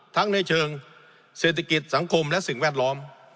ทั้งในเชิงเศรษฐกิจสังคมและสิ่งแวดล้อม